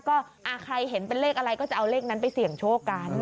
ก็ใครเห็นเป็นเลขอะไรก็จะเอาเลขนั้นไปเสี่ยงโชคกัน